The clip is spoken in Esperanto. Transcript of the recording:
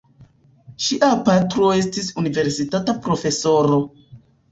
Ŝia patro estis universitata profesoro.